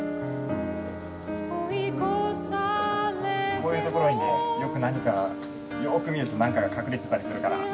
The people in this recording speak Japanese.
こういう所にねよく何かよく見ると何かが隠れてたりするから。